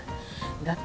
だって